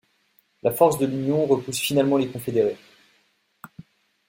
La force de l'Union repousse finalement les confédérés.